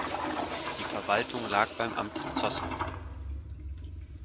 Die Verwaltung lag beim Amt Zossen.